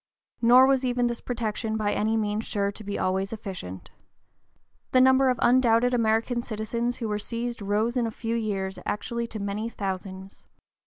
Nor was even this protection by any means sure to be always (p. 044) efficient. The number of undoubted American citizens who were seized rose in a few years actually to many thousands.